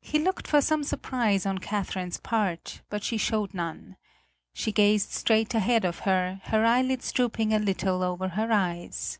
He looked for some surprise on Catherine's part, but she showed none. She gazed straight ahead of her, her eyelids drooping a little over her eyes.